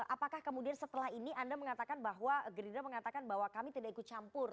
apakah kemudian setelah ini anda mengatakan bahwa gerindra mengatakan bahwa kami tidak ikut campur